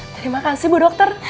terima kasih bu dokter